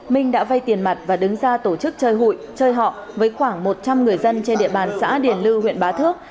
minh đã vay tiền mặt và đứng ra tổ chức chơi hụi chơi họ với khoảng một trăm linh người dân trên địa bàn xã điền lư huyện bá thước